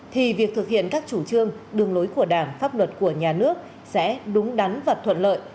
thì việc thực hiện các chủ trương đường lối của đảng pháp luật của nhà nước sẽ đúng đắn và thuận lợi